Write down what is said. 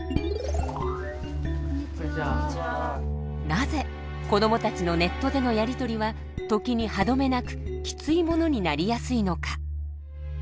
なぜ子どもたちのネットでのやりとりは時に歯止めなくきついものになりやすいのか。